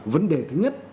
vấn đề thứ nhất